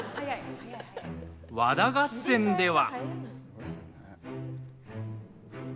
和田合戦では。